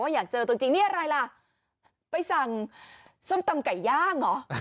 อยากเจอตัวจริงนี่อะไรล่ะไปสั่งส้มตำไก่ย่างเหรอ